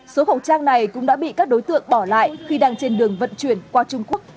số khẩu trang này cũng đã bị các đối tượng bỏ lại khi đang trên đường vận chuyển qua trung quốc